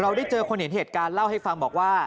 ได้เจอคนเห็นเหตุการณ์เล่าให้ฟังบอกว่า